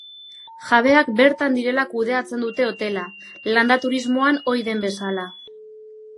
Jabeak bertan direla kudeatzen dute hotela, landa-turismoan ohi den bezala.